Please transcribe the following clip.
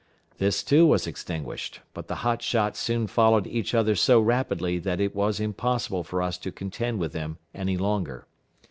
This, too, was extinguished; but the hot shot soon followed each other so rapidly that it was impossible for us to contend with them any longer.